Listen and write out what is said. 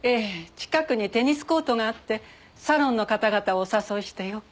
近くにテニスコートがあってサロンの方々をお誘いしてよく。